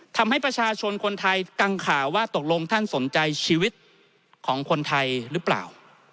ทำให้ประชาชนคนไทยกังข่าวว่าตกลงท่านสนใจชีวิตของคนไทยหรือเปล่า